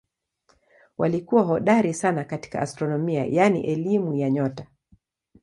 Walikuwa hodari sana katika astronomia yaani elimu ya nyota.